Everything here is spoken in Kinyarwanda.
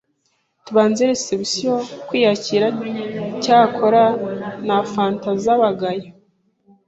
Tubanza reception (kwiyakira) cyakora nta fanta zabagayo